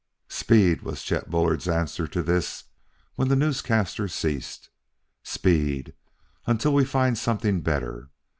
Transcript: "Speed!" was Chet Bullard's answer to this, when the newscaster ceased. "Speed! until we find something better.